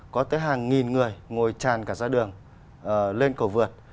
có tới hàng nghìn người ngồi tràn cả ra đường lên cầu vượt